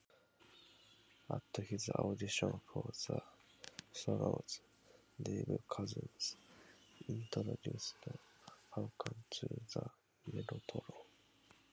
At his audition for the Strawbs, Dave Cousins introduced Hawken to the mellotron.